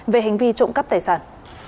về hành vi trộm cắp tài sản